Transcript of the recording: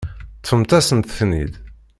Ṭṭfemt-asent-ten-id.